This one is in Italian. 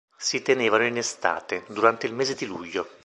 Si tenevano in estate, durante il mese di luglio.